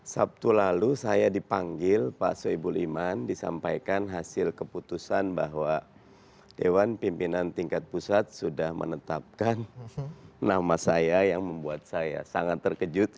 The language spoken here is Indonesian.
sabtu lalu saya dipanggil pak soebul iman disampaikan hasil keputusan bahwa dewan pimpinan tingkat pusat sudah menetapkan nama saya yang membuat saya sangat terkejut